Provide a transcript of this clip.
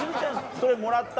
それもらった？